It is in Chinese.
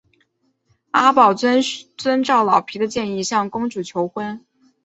阿宝遵照老皮的建议向公主求婚。